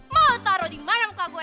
mau lo taro dimana muka gue